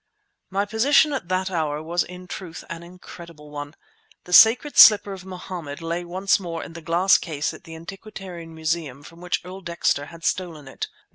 My position at that hour was in truth an incredible one. The sacred slipper of Mohammed lay once more in the glass case at the Antiquarian Museum from which Earl Dexter had stolen it.